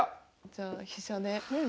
じゃあ飛車で。